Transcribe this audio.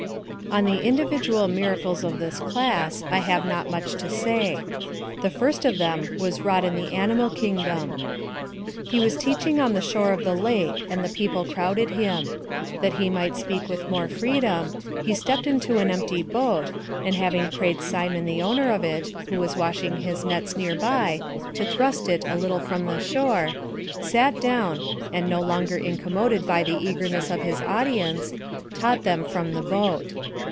On the individual miracles of this class, I have not much to say. The first of them was wrought in the animal kingdom. He was teaching on the shore of the lake, and the people crowded him. That he might speak with more freedom, he stepped into an empty boat, and having prayed Simon the owner of it, who was washing his nets near by, to thrust it a little from the shore, sat down, and no longer incommoded by the eagerness of his audience, taught them from the boat.